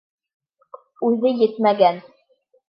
Үҙе етмәгән...